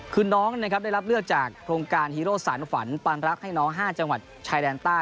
คือน้องนะครับได้รับเลือกจากโครงการฮีโร่สารฝันปานรักให้น้อง๕จังหวัดชายแดนใต้